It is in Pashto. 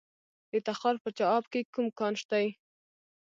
د تخار په چاه اب کې کوم کان دی؟